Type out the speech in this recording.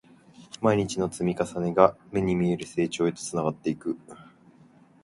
毎日の積み重ねが、目に見える成長へとつながっていく